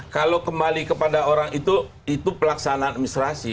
kalau kembali kepada orang itu pelaksanaan administrasi